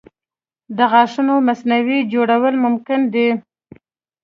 د غاښونو مصنوعي جوړول ممکنه دي.